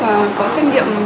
và có xét nghiệm